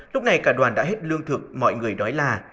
lúc này cả đoàn đã hết lương thực mọi người đó là